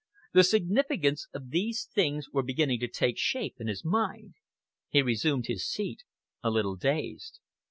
The significance of these things was beginning to take shape in his mind. He resumed his seat, a little dazed.